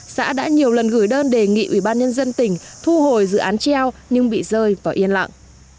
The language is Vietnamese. xã đã nhiều lần gửi đơn đề nghị ủy ban nhân dân tỉnh thu hồi dự án treo nhưng bị rơi vào yên lặng